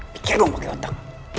pikir dong pake otak